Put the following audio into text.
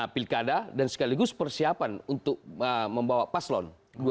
pilkada dan sekaligus persiapan untuk membawa paslon dua ribu sembilan belas